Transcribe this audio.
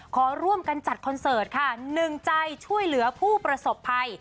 ขอร่วมกันจัดคอนเสิร์ตค่ะหนึ่งใจช่วยเหลือผู้ประสบภัย